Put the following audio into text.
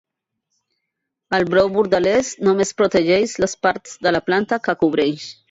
El brou bordelès només protegeix les parts de la planta que cobreix.